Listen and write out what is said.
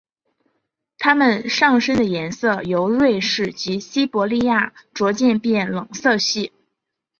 它们上身的颜色由瑞典至西伯利亚逐渐变冷色系。